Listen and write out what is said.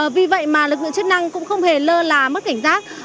vì vậy mà lực lượng chức năng cũng không hề lơ là mất cảnh giác